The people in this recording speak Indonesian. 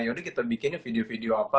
yaudah kita bikin video video apa